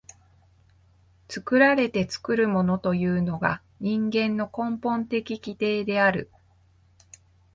作られて作るものというのが人間の根本的規定である。